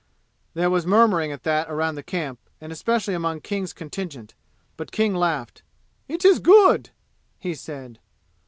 There was murmuring at that around the camp, and especially among King's contingent. But King laughed. "It is good!" he said.